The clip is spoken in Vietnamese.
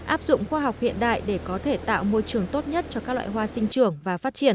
áp dụng khoa học hiện đại để có thể tạo môi trường tốt nhất cho các loại hoa sinh trường và phát triển